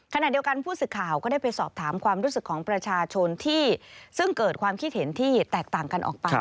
ขณะเดียวกันผู้สื่อข่าวก็ได้ไปสอบถามความรู้สึกของประชาชนที่ซึ่งเกิดความคิดเห็นที่แตกต่างกันออกไป